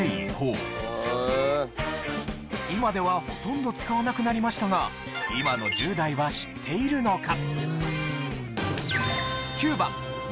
今ではほとんど使わなくなりましたが今の１０代は知っているのか？